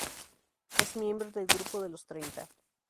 Es miembro del Grupo de los Treinta.